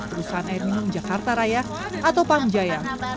perusahaan air minum jakarta raya atau pam jaya